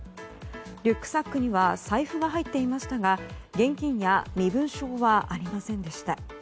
リュックサックには財布が入っていましたが現金や身分証はありませんでした。